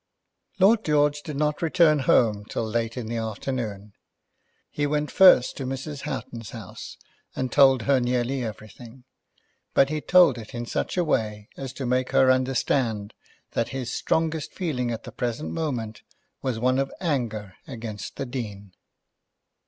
Lord George did not return home till late in the afternoon. He went first to Mrs. Houghton's house, and told her nearly everything. But he told it in such a way as to make her understand that his strongest feeling at the present moment was one of anger against the Dean.